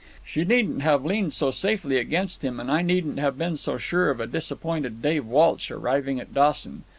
She needn't have leaned so safely against him, and I needn't have been so sure of a disappointed Dave Walsh arriving at Dawson.